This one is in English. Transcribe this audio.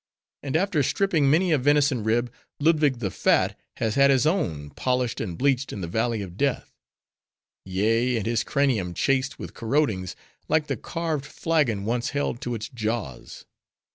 And after stripping many a venison rib, Ludwig the Fat has had his own polished and bleached in the Valley of Death; yea, and his cranium chased with corrodings, like the carved flagon once held to its jaws."